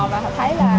và họ thấy là